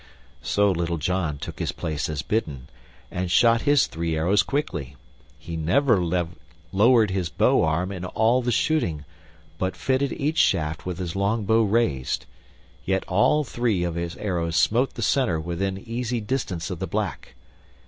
So Little John took his place as bidden, and shot his three arrows quickly. He never lowered his bow arm in all the shooting, but fitted each shaft with his longbow raised; yet all three of his arrows smote the center within easy distance of the black.